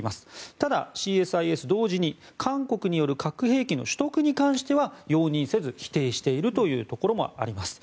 ただ、ＣＳＩＳ、同時に韓国による核兵器の取得に関しては容認せず否定しているというところもあります。